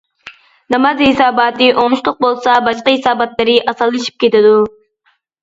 ناماز ھېساباتى ئوڭۇشلۇق بولسا، باشقا ھېساباتلىرى ئاسانلىشىپ كېتىدۇ.